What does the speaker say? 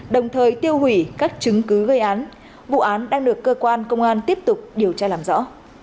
đồng thời tiêu hủy các chứng cứ gây án vụ án đang được cơ quan công an tiếp tục điều tra làm rõ